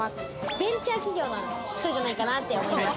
ベンチャー企業の人じゃないかなって思います。